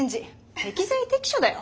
適材適所だよ。